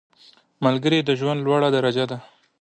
ملګری د ژوند لوړه درجه ده